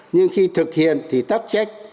nhưng khi thực hiện thì tắc trách